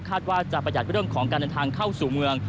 ว่าจะประหยัดเรื่องของการเดินทางเข้าสู่เมือง